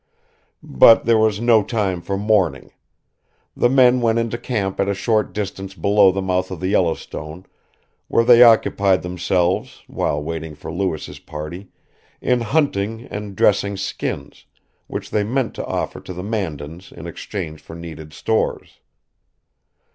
But there was no time for mourning. The men went into camp at a short distance below the mouth of the Yellowstone, where they occupied themselves, while waiting for Lewis's party, in hunting and dressing skins, which they meant to offer to the Mandans in exchange for needed stores.